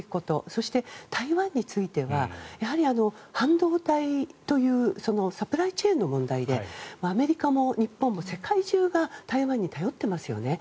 そして台湾についてはやはり半導体というサプライチェーンの問題でアメリカも日本も世界中が台湾に頼っていますよね。